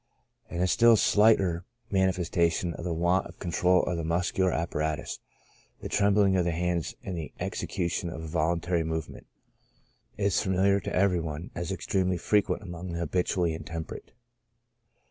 And a still slighter manifestation of the want of control over the muscular apparatus, the trembling of the hands in the execution of a voluntary movement, is famil iar to every one as extremely frequent among the habitually intemperate."